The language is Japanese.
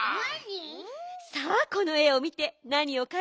さあこのえをみてなにをかんじたかしら？